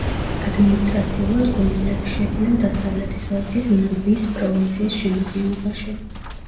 ადმინისტრაციულად კუნძულები შედიან დასავლეთის ოლქის მბის პროვინციის შემადგენლობაში.